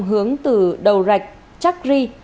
hướng từ đầu rạch chakri